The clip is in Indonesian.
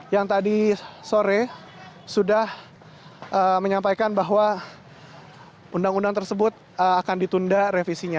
yang tadi sore sudah menyampaikan bahwa undang undang tersebut akan ditunda revisinya